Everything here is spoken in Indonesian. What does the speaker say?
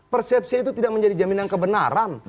persepsi itu tidak menjadi jaminan kebenaran